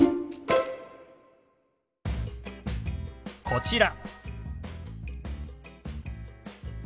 こちら。